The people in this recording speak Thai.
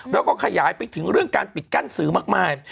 แล้วก็ขยายไปถึงเรื่องการปิดกั้นสื่อมากมาย